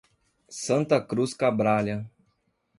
Santa Cruz Cabrália